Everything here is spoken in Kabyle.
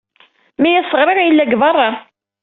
Mi as-ɣriɣ, yella deg beṛṛa.